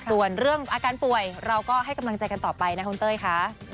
ส่วนเรื่องอาการป่วยเราก็ให้กำลังใจกันต่อไปนะคุณเต้ยค่ะ